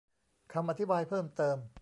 คำอธิบายเพิ่มเติม